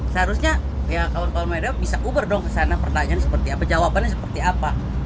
seharusnya ya kawan kawan media bisa uber dong ke sana pertanyaan seperti apa jawabannya seperti apa